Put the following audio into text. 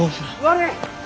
悪い！